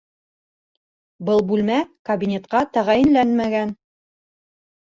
Был бүлмә кабинетҡа тәғәйенләнгән